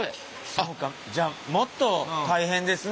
そうかじゃあもっと大変ですね。